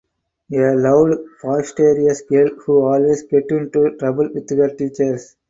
A loud boisterous girl who always gets into trouble with her teachers.